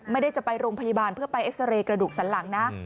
ไม่ได้จะไปโรงพยาบาลเพื่อไปเอ็กซาเรย์กระดูกสันหลังนะ